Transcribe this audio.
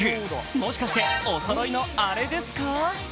もしかしておそろいのあれですか？